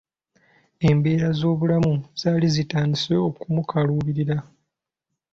Embeera z'obulamu zaali zitandise okumukaluubirira.